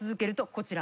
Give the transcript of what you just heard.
こちら。